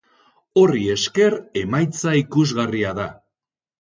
Horri esker, emaitza ikusgarria da.